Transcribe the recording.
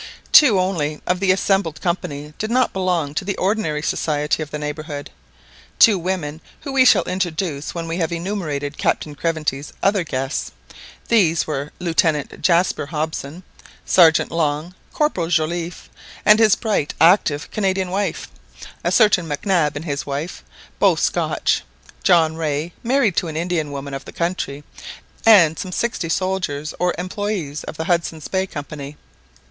Two only of the assembled company did not belong to the ordinary society of the neighbourhood, two women, whom we shall introduce when we have enumerated Captain Craventy's other guests: these were, Lieutenant Jaspar Hobson, Sergeant Long, Corporal Joliffe, and his bright active Canadian wife, a certain Mac Nab and his wife, both Scotch, John Rae, married to an Indian woman of the country, and some sixty soldiers or employés of the Hudson's Bay Company.